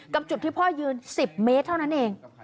จุดที่พ่อยืน๑๐เมตรเท่านั้นเอง